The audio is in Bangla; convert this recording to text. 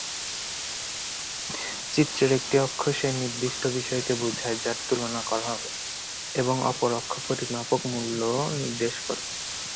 চিত্রের একটি অক্ষ সেই নির্দিষ্ট বিষয়কে বোঝায় যার তুলনা করা হবে, এবং অপর অক্ষ পরিমাপক মূল্য নির্দেশ করে।